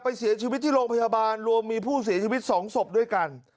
เสียชีวิตที่โรงพยาบาลรวมมีผู้เสียชีวิต๒ศพด้วยกัน